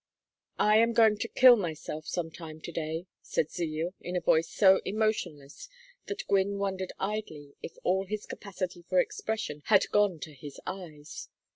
"I am going to kill myself some time to day," said Zeal, in a voice so emotionless that Gwynne wondered idly if all his capacity for expression had gone to his eyes.